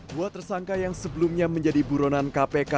dua tersangka yang sebelumnya menjadi buronan kpk